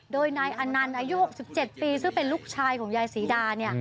โดยนายอันนัลอายุ๖๗ปีซึ่งเป็นลูกชายคุณยายสีดา